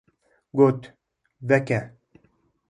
Got: ‘’ Veke.